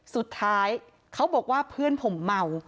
สุดท้ายเขาบอกว่าเพื่อนผมเมา